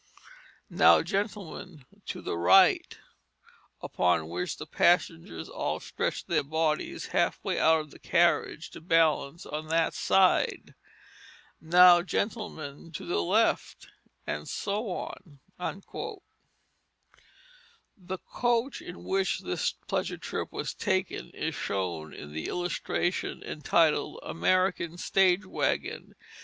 'Now, gentlemen, to the right,' upon which the passengers all stretched their bodies half way out of the carriage to balance on that side. 'Now, gentlemen, to the left,' and so on." The coach in which this pleasure trip was taken is shown in the illustration entitled "American Stage wagon."